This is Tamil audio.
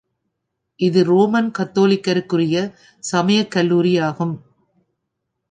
இது ரோமன் கத்தோலிக்கருக்கரிய சமயக் கல்லூரியாகும்.